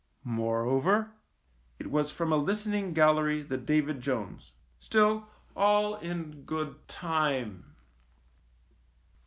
Moreover, it was from a listening gallery that David Jones — still, all in good time.